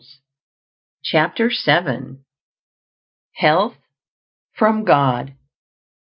CHAPTER VII. HEALTH FROM GOD.